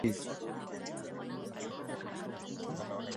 tunawahukumu kwa mawe na faru pale tukiwakamata katika wizi